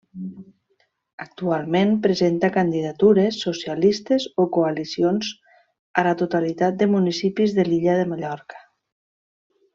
Actualment presenta candidatures socialistes o coalicions a la totalitat de municipis de l'illa de Mallorca.